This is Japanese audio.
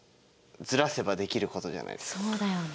そうだよね。